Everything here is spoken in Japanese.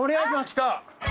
きた！